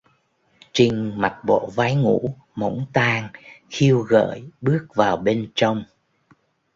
Trinh mặc bộ váy ngủ mỏng tang khiêu gợi bước vào bên trong